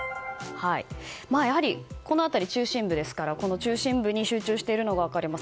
やはり、この辺り中心部ですから中心部に集中しているのが分かります。